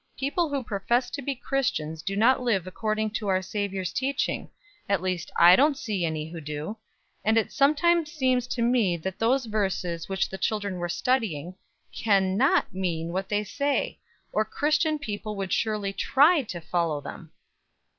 People who profess to be Christians do not live according to our Savior's teaching. At least I don't see any who do; and it sometimes seems to me that those verses which the children were studying, can not mean what they say, or Christian people would surely try to follow them."